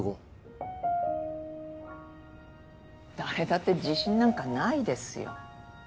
誰だって自信なんかないですよ。